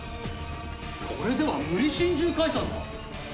これでは無理心中解散だ。